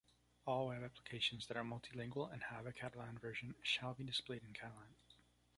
All web applications that are multilingual and have a Catalan version shall be displayed in Catalan.